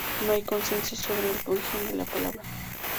No hay consenso sobre el origen de la palabra.